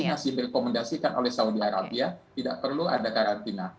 karena masih direkomendasikan oleh saudi arabia tidak perlu ada karantina